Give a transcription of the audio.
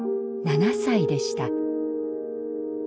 ７歳でした。